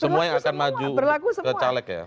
semua yang akan maju ke caleg ya